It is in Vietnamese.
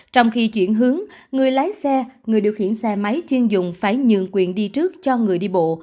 trong khi chuyển hướng người lái xe người điều khiển xe máy chuyên dụng phải nhường quyền đi trước cho người đi bộ